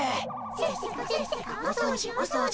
せっせかせっせかお掃除お掃除。